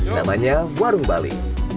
namanya warung bali